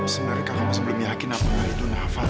sebenarnya kakak masih belum yakin apa hal itu nafas